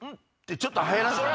ちょっと入らないと。